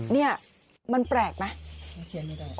นี่มันแปลกไหม